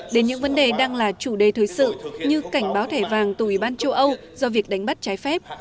đến những vấn đề đang là chủ đề thời sự như cảnh báo thẻ vàng tùy ban châu âu do việc đánh bắt trái phép